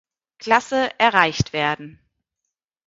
Klasse erreicht werden.